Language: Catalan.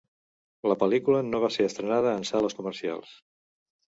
La pel·lícula no va ser estrenada en sales comercials.